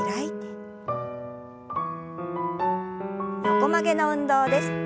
横曲げの運動です。